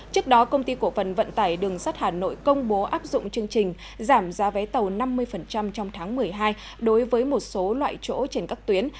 trước đó công ty cổ phần vận tải đường sắt hà nội công bố áp dụng chương trình giảm giá vé tàu năm mươi trong tháng một mươi hai đối với một số loại chỗ trên các tuyến